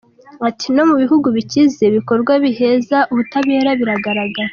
Ati “No mu bihugu bikize ibikorwa biheza ubutabera biragaragara.